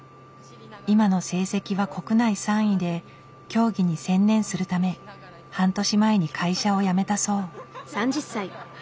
今の成績は国内３位で競技に専念するため半年前に会社を辞めたそう。